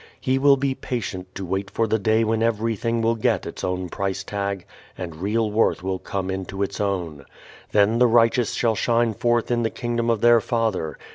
He will be patient to wait for the day when everything will get its own price tag and real worth will come into its own. Then the righteous shall shine forth in the Kingdom of their Father.